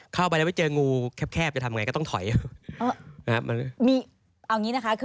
เข้าไปแล้วไปเจองูแคบจะทำไงก็ต้องถอยครับ